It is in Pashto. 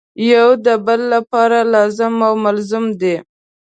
یو د بل لپاره لازم او ملزوم دي.